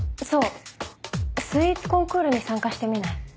そうスイーツコンクールに参加してみない？